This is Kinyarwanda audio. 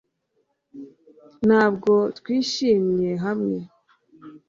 Ntabwo twishimye hamwe